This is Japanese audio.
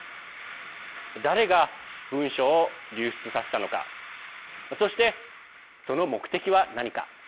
誰が文書を流出させたのかそして、その目的は何か。